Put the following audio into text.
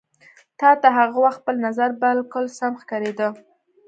تا ته هغه وخت خپل نظر بالکل سم ښکارېده.